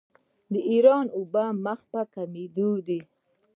د ایران اوبه مخ په کمیدو دي.